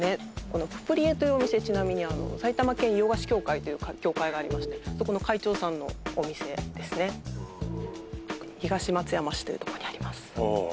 このププリエというお店ちなみにあの埼玉県洋菓子協会という協会がありましてそこの会長さんのお店ですね東松山市というところにありますああ